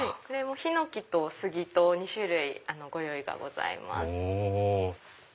ヒノキと杉と２種類ご用意がございます。